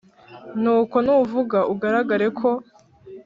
Nuko nuvuga ugaragare ko